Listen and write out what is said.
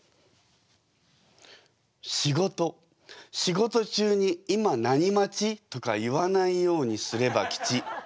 「仕事仕事中に『今何待ち？』とか言わないようにすれば吉。